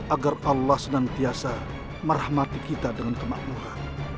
agar allah senantiasa merahmati kita dengan kemakmuran